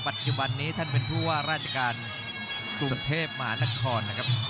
ปัจจุบันนี้ท่านเป็นผู้ว่าราชการกรุงเทพมหานครนะครับ